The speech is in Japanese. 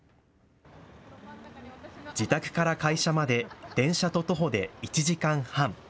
自宅から会社まで電車と徒歩で１時間半。